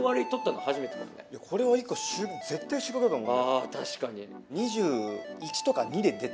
あ確かに。